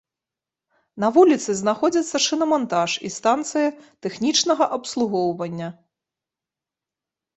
На вуліцы знаходзяцца шынамантаж і станцыя тэхнічнага абслугоўвання.